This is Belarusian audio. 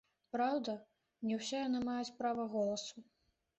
Праўда, не ўсе яны маюць права голасу.